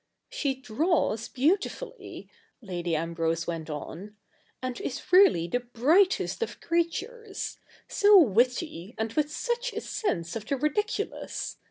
' She draws beautifully,' Lady Ambrose went on, ' and is really the brightest of creatures— so witty, and with such a sense of the ridiculous